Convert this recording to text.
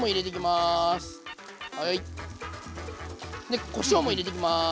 でこしょうも入れていきます。